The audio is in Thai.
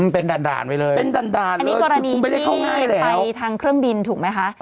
เป็นด่านไปเลยเป็นด่านแล้วไม่ได้เข้าง่ายแล้วอันนี้กรณีที่ไปทางเครื่องบินถูกไหมคะ